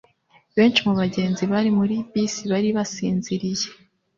Benshi mu bagenzi bari muri bisi bari basinziriye.